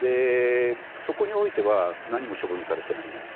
そこにおいては何も処分されてないんです。